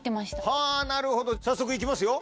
はぁなるほど早速行きますよ。